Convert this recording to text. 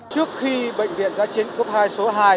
trước khi bệnh viện giã chiến cấp hai số hai của chúng ta